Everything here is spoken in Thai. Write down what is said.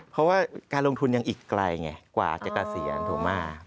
เพราะว่าการลงทุนยังอีกไกลไงกว่าจะเกษียณถูกมาก